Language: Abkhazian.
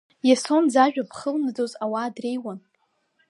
Иасон зажәа ԥхылнадоз ауаа дреиуан.